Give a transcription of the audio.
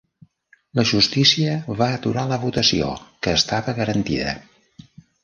La justícia va aturar la votació, que estava garantida.